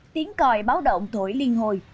tiến coi báo động thổi liên hồi